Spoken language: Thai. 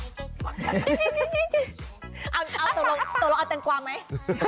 อารตัวเราเอาแต่งกวาไหม